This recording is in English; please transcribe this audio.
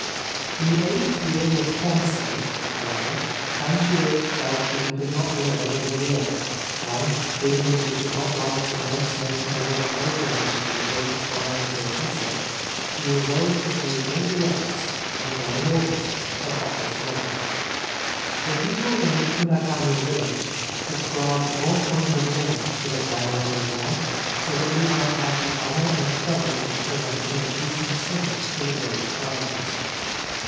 In the eighth year of Kwansei, however, Kanshiro felt that he could not live another year, and, feeling that he should not like to miss making another pilgrimage to the great shrines at Ise, he resolved to take all risks and go in August, the hottest month. The people in Funakami village subscribed one hundred yen for the venerable man, so that he might have the honour and credit of presenting a decent sum to the great shrines.